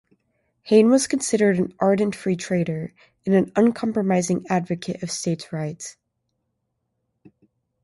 Hayne was considered an ardent free-trader and an uncompromising advocate of states' rights.